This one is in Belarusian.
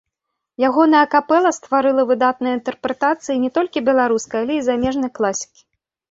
Ягоная капэла стварыла выдатныя інтэрпрэтацыі не толькі беларускай, але і замежнай класікі.